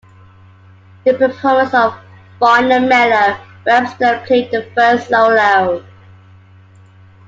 During the performance of "Fine and Mellow", Webster played the first solo.